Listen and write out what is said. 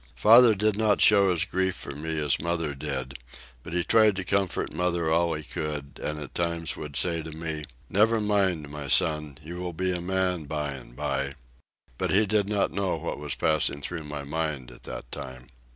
Father did not show his grief for me as mother did, but he tried to comfort mother all he could, and at times would say to me, "Never mind, my son, you will be a man bye and bye," but he did not know what was passing through my mind at that time.